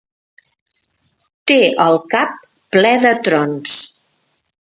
Té el cap ple de trons.